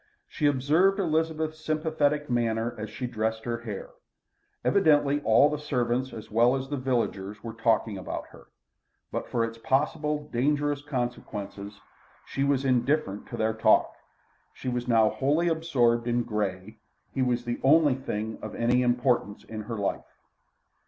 She observed Elizabeth's sympathetic manner as she dressed her hair. Evidently all the servants as well as the villagers were talking about her. But for its possible, dangerous consequences, she was indifferent to their talk. She was now wholly absorbed in Grey; he was the only thing of any importance in her life.